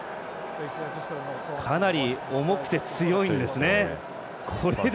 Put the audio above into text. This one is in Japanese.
かなり重くて強いんですね。